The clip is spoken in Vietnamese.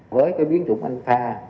với cái biến chủng anh pha